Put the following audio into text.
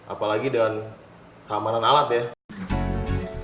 apalagi dengan keamanan alat ya